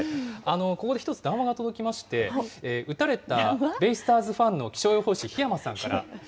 ここで一つ談話が届きまして、打たれたベイスターズファンの気象予報士、檜山さんから。